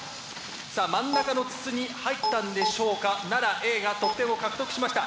さあ真ん中の筒に入ったんでしょうか奈良Ａが得点を獲得しました。